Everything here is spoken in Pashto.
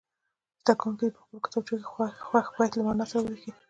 زده کوونکي دې په خپلو کتابچو کې خوښ بیت له معنا سره ولیکي.